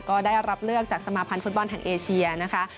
ก็ได้รับเลือกจากสมาพันธ์ฟุตบอลแห่งเอเชียนะคะ